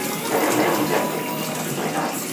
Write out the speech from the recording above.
Planean irse a vivir juntos a una pequeña cabaña.